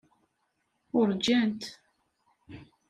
Uṛǧant.